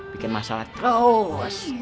bikin masalah terus